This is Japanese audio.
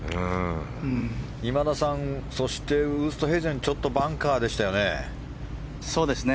今田さんそしてウーストヘイゼンちょっとバンカーでしたよね。